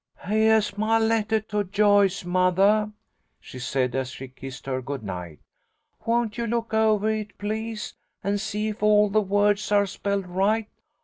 "Heah is my lettah to Joyce, mothah," she said, as she kissed her good night. "Won't you look ovah it, please, and see if all the words are spelled right?